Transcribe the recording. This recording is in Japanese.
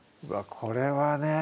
これはね